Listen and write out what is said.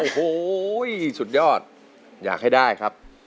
โอ้โหสุดยอดอยากให้ได้ครับ